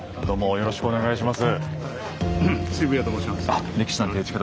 よろしくお願いします。